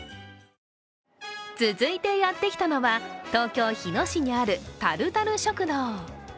続いてやってきたのは、東京・日野市にあるタルタル食堂。